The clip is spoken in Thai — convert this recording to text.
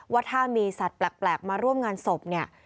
ว่าถ้ามีสัตว์แปลกมาร่วมงานศพเนี่ย